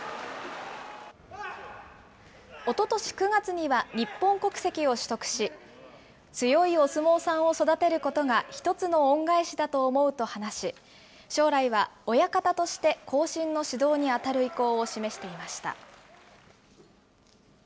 おととし９月には日本国籍を取得し、強いお相撲さんを育てることが１つの恩返しだと思うと話し、将来は親方として、後進の指導に当たる意向を示していました。